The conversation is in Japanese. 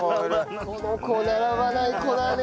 この子並ばない子だね